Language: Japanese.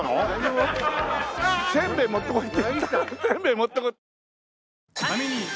せんべい持ってこいって。